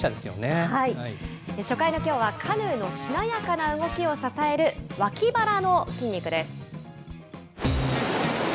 初回のきょうは、カヌーのしなやかな動きを支える脇腹の筋肉です。